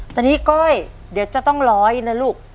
แต่นี่ก้อยเดี๋ยวจะต้องร้อยนะลูก